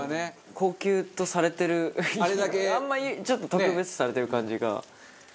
高級とされてる意味があんまりちょっと特別視されてる感じがわかってない。